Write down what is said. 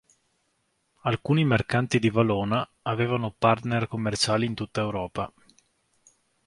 Alcuni mercanti di Valona avevano partner commerciali in tutta Europa.